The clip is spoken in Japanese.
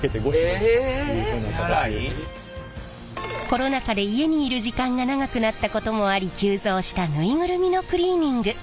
コロナ禍で家にいる時間が長くなったこともあり急増したぬいぐるみのクリーニング。